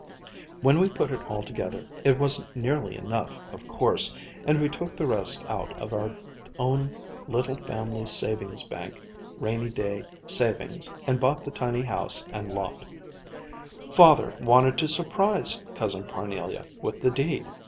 When we put it all together it wasn't nearly enough of course, and we took the rest out of our own little family savings bank rainy day savings and bought the tiny house and lot. Father wanted to 'surprise' Cousin Parnelia with the deed.